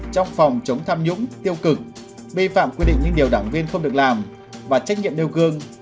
trong phòng chống tham nhũng tiêu cực vi phạm quy định những điều đảng viên không được làm và trách nhiệm nêu gương